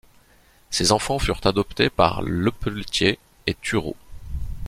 Ses enfants furent adoptés par Lepeletier et Turreau.